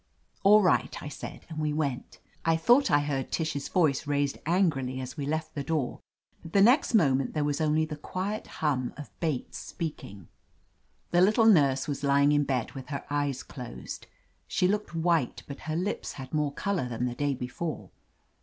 "All right," I said, and we went. I thought I heard Tish's voice raised angrily as we left the door, but the next moment there was only the quiet hum of Bates speaking. 169 THE AMAZING ADVENTURES The little nurse was l3ring in bed with her eyes closed. She looked white, but her lips had more color than the day before.